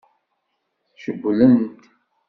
Cewwlen-t.